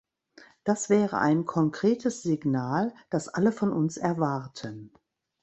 Das wäre ein konkretes Signal, das alle von uns erwarten.